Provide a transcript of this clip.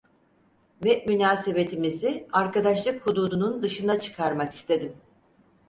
Ve münasebetimizi arkadaşlık hududunun dışına çıkarmak istedim…